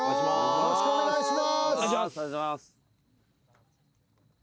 よろしくお願いします。